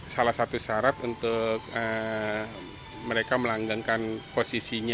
salah satu syarat untuk mereka melanggengkan posisinya